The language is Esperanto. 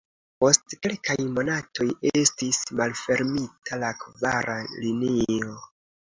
Post kelkaj monatoj estis malfermita la kvara linio.